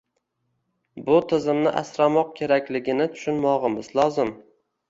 bu tizimni asramoq kerakligini tushunmog‘imiz lozim.